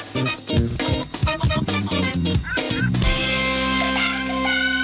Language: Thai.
โปรดติดตามตอนต่อไป